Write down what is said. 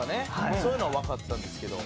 そういうのはわかったんですけど。